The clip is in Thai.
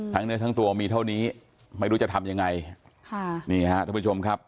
เนื้อทั้งตัวมีเท่านี้ไม่รู้จะทำยังไงค่ะนี่ฮะท่านผู้ชมครับ